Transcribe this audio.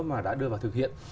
mà đã đưa vào thực hiện